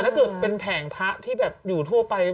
ถ้าเป็นแผ่งพระที่อยู่ทั่วไป